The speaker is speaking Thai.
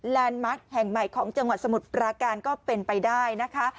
มาร์คแห่งใหม่ของจังหวัดสมุทรปราการก็เป็นไปได้นะคะ